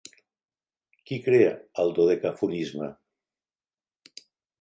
Qui crea el dodecafonisme?